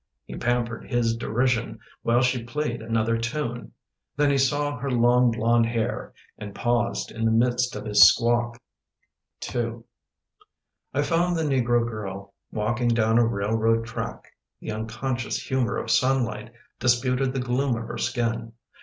He pampered his derision While she played another tune. Then he saw her long blonde hair And paused in the midst of his squawk. n 1 FOUND the negro girl Walking down a railroad track. The unconscious humour of sunlight Disputed the gloom of her skin.